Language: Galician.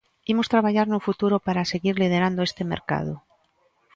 Imos traballar no futuro para seguir liderando este mercado.